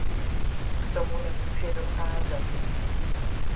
K tomu nemůže docházet.